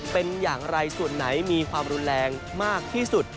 เป็นอย่างไรส่วนไหนมีความรุนแรงมากที่สุด